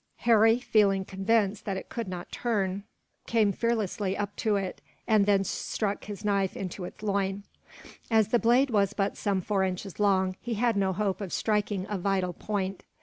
Harry, feeling convinced that it could not turn, came fearlessly up to it, and then struck his knife into its loin. As the blade was but some four inches long, he had no hope of striking a vital point.